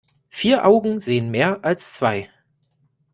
Vier Augen sehen mehr als zwei.